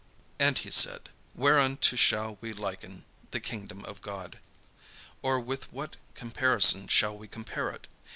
And he said: "Whereunto shall we liken the kingdom of God? or with what comparison shall we compare it?